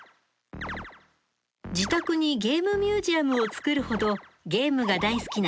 自宅にゲームミュージアムを作るほどゲームが大好きなすぎやまさん。